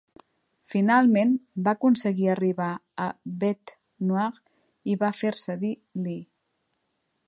Finalment va aconseguir arribar a Bete Noire i va fer-se dir "Lee".